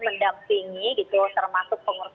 mendampingi termasuk pengurus